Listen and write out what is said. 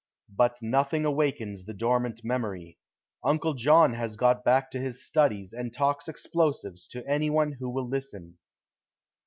But nothing awakens the dormant memory. Uncle John has got back to his studies, and talks explosives to any one who will listen.